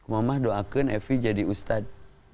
mama doakan evi jadi ustadz